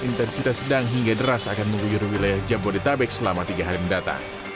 intensitas sedang hingga deras akan mengguyur wilayah jabodetabek selama tiga hari mendatang